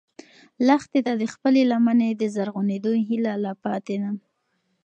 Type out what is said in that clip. لښتې ته د خپلې لمنې د زرغونېدو هیله لا پاتې ده.